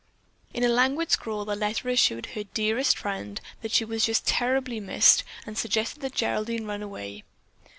In a languid scrawl, the letter assured her "dearest" friend that she was just terribly missed and suggested that Geraldine run away.